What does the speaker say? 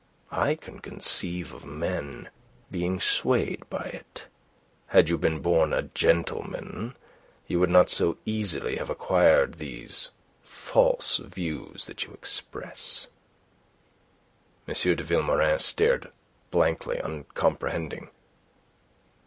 I can conceive of men being swayed by it. Had you been born a gentleman, you would not so easily have acquired these false views that you express." M. de Vilmorin stared blankly, uncomprehending.